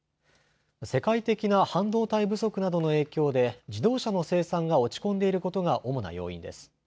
世界的な半導体不足などの影響で自動車の生産が落ち込んでいることが主な要因です。